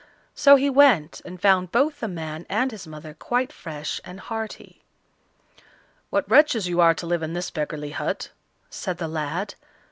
So he went and found both the man and his mother quite fresh and hearty. "What wretches you are to live in this beggarly hut," said the lad.